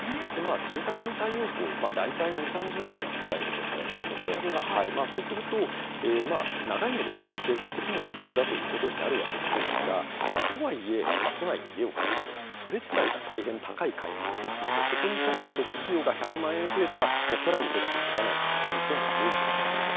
住宅の太陽光大体２０３０年使えるとされますのでそうすると、長い目で見れば経済的もお得だということになるわけですが、とはいえ都内に家を買うって、それ自体が大変高い買い物ですのでそこに、さらに初期費用が１００万円増えたらさらに手が届かないと感じる人も多いと思います。